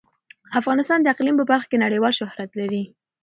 افغانستان د اقلیم په برخه کې نړیوال شهرت لري.